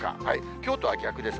きょうとは逆です。